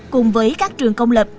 cùng với các trường công lập